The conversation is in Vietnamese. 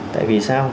tại vì sao